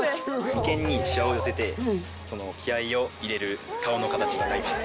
眉間にシワを寄せて気合を入れる顔の形となります。